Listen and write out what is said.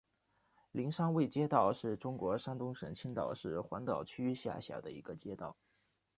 灵山卫街道是中国山东省青岛市黄岛区下辖的一个街道。